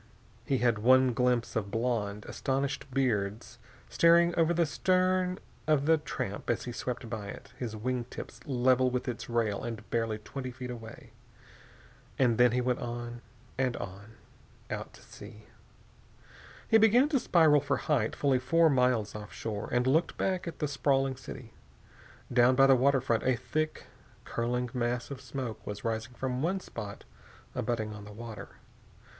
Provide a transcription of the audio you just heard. He had one glimpse of blonde, astonished beards staring over the stern of the tramp as he swept by it, his wing tips level with its rail and barely twenty feet away. And then he went on and on, out to sea. He began to spiral for height fully four miles offshore, and looked back at the sprawling city. Down by the waterfront a thick, curling mass of smoke was rising from one spot abutting on the water.